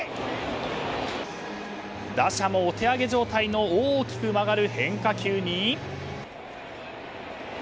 打者もお手上げ状態の大きく曲がる変化球に。